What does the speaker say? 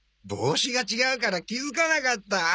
帽子が違うから気づかなかった。